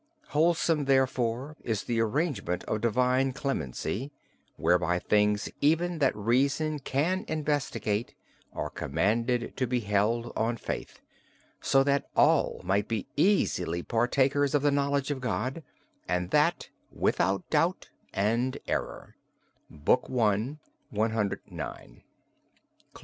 Wholesome, therefore, is the arrangement of divine clemency, whereby things even that reason can investigate are commanded to be held on faith, so that all might be easily partakers of the knowledge of God, and that without doubt and error (Book I. cix)."